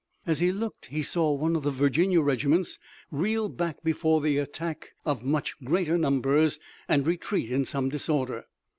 As he looked he saw one of the Virginia regiments reel back before the attack of much greater numbers and retreat in some disorder.